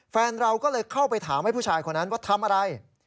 แฟนเราก็เลยเข้าไปถามให้ผู้ชายคนนั้นว่าทำอะไร